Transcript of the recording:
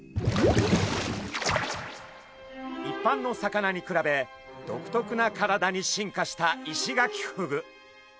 一般の魚に比べ独特な体に進化したイシガキフグ。